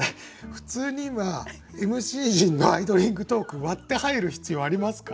普通に今ＭＣ陣のアイドリングトーク割って入る必要ありますか？